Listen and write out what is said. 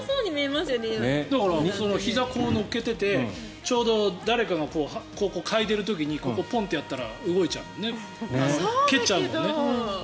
ひざを乗っけててちょうど誰かがここを嗅いでる時にここをポンとやったら動いちゃうもんね蹴っちゃうもんね。